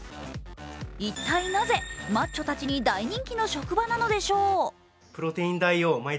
一体なぜ、マッチョたちに大人気の職場なんでしょう。